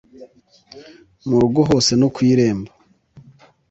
Mu rugo hose no ku irembo